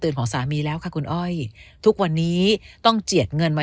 ของสามีแล้วค่ะคุณอ้อยทุกวันนี้ต้องเจียดเงินมา